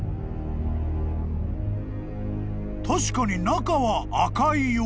［確かに中は赤いよう］